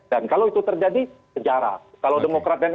dan kalau itu terjadi sejarah kalau demokrat dan